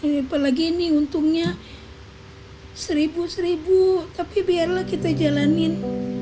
apalagi ini untungnya seribu seribu tapi biarlah kita jalanin